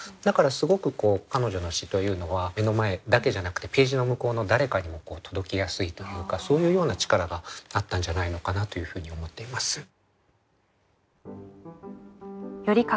だからすごく彼女の詩というのは目の前だけじゃなくてページの向こうの誰かに届けやすいというかそういうような力があったんじゃないのかなというふうに思っています。